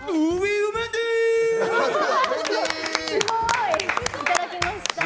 いただきました。